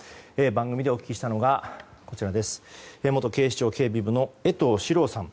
番組でお聞きしたのが元警視庁警備部の江藤史朗さん。